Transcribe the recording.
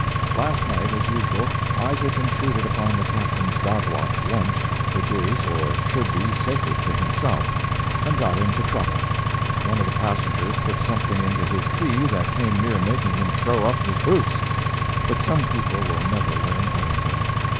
Last night, as usual, Isaac intruded upon the Captain's dog watch lunch—which is, or should be, sacred to himself—and got into trouble. One of the passengers put something into his tea that came near making him throw up his boots. But some people will never learn anything.